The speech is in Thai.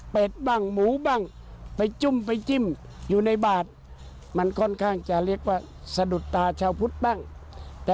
ฟังพระพยอมท่านเลยนะฮะ